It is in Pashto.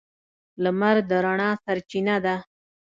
• لمر د رڼا سرچینه ده.